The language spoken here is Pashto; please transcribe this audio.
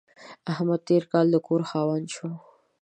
احمد تېر کال د کور خاوند شو.